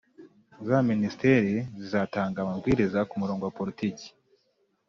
za minisiteri zizatanga amabwiriza ku murongo wa politiki